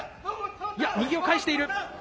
いや、右を返している。